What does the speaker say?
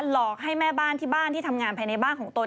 หลอกให้แม่บ้านที่บ้านที่ทำงานภายในบ้านของตน